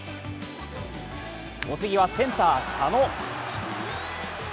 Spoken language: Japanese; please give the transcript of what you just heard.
お次はセンター・佐野。